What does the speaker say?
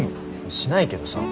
しないけどさ。